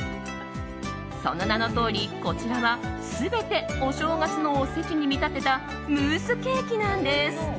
その名のとおり、こちらは全てお正月のおせちに見立てたムースケーキなんです！